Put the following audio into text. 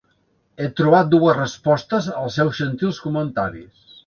He trobat dues respostes als seus gentils comentaris.